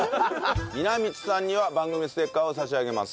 みなみちさんには番組ステッカーを差し上げます。